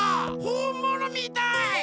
ほんものみたい！